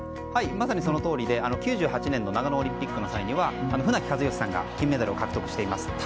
まさにそのとおりで９８年の長野オリンピックの時は船木和喜さんが金メダルを獲得しています。